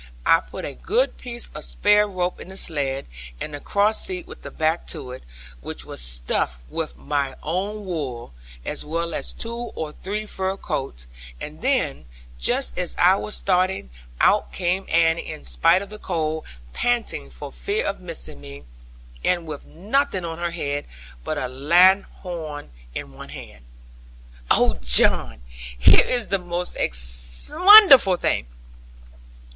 I put a good piece of spare rope in the sledd, and the cross seat with the back to it, which was stuffed with our own wool, as well as two or three fur coats; and then, just as I was starting, out came Annie, in spite of the cold, panting for fear of missing me, and with nothing on her head, but a lanthorn in one hand. 'Oh, John, here is the most wonderful thing!